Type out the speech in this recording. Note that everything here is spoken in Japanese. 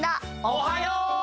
おはよう！